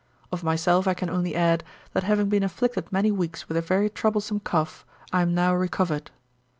Of myself I can only add, that having been afflicted many weeks with a very troublesome cough, I am now recovered.